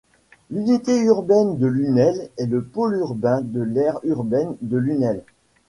L'unité urbaine de Lunel est le pôle urbain de l'aire urbaine de Lunel.